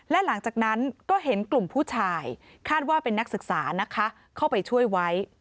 และหลังจากนั้นก็เห็นกลุ่มผู้ชายคาดว่าเป็นนักศึกษานะคะเข้าไปช่วยไว้